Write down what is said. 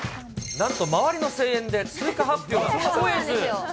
なんと周りの声援で通過発表が聞こえず。